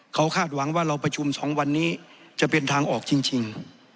เขาคาดหวังว่าเราประชุม๒วันนี้จะเป็นทางออกจริง